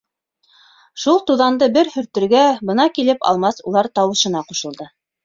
Шул туҙанды бер һөртөргә Бына килеп, Алмас улар тауышына ҡушылды.